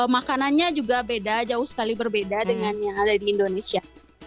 makanannya juga beda jauh sekali berbeda dengan yang ada di indonesia